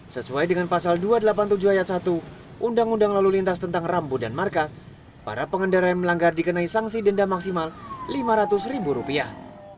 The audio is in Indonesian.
sesuai dengan pasal dua ratus delapan puluh tujuh ayat satu undang undang lalu lintas tentang rambu dan marka para pengendara yang melanggar dikenai sanksi denda maksimal lima ratus ribu rupiah